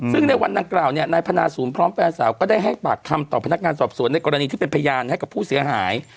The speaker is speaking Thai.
ซึ่งในวันดังกล่าวเนี่ยนายพนาศูนย์พร้อมแฟนสาวก็ได้ให้ปากคำต่อพนักงานสอบสวนในกรณีที่เป็นพยานให้กับผู้เสียหาย